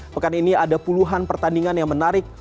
pekan ini ada puluhan pertandingan yang menarik